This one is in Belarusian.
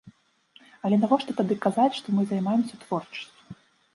Але навошта тады казаць, што мы займаемся творчасцю?